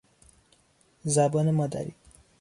زبان مادری